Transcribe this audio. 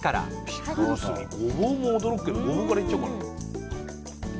ピクルスにごぼうも驚くけどごぼうからいっちゃおうかな。